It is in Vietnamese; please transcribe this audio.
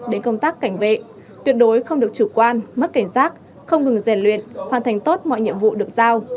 đến công tác cảnh vệ tuyệt đối không được chủ quan mất cảnh giác không ngừng rèn luyện hoàn thành tốt mọi nhiệm vụ được giao